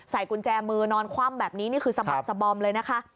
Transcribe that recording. กุญแจมือนอนคว่ำแบบนี้นี่คือสะบักสะบอมเลยนะคะ